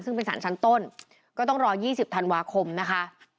ซึ่งเป็นสารชั้นต้นก็ต้องรอ๒๐ธันวาคมนะคะ